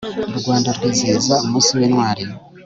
u rwanda rwizihiza umunsi w'intwari